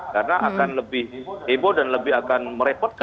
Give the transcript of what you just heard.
karena akan lebih heboh dan lebih akan merepotkan